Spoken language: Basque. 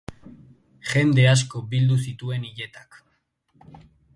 Jende asko bildu zituen hiletak.